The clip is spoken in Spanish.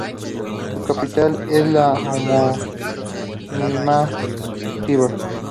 Su capital es la homónima Tver.